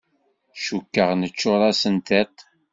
Cukkeɣ neččur-asen tiṭ.